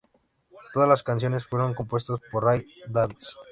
Todas las canciones fueron compuestas por Ray Davies.